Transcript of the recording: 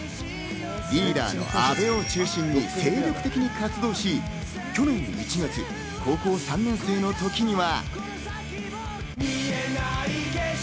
リーダーの阿部を中心に精力的に活動し、去年１月、高校３年生の時には。